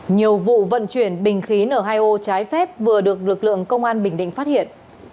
nhiều vụ vận chuyển bình khí n hai o trái phép vừa được lực lượng công an bình định phát hiện